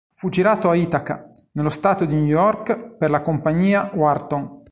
Fu girato a Ithaca, nello stato di New York per la compagnia Wharton.